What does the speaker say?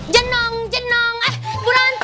jenang jenang eh ibu ranti